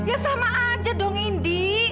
ya sama aja dong indi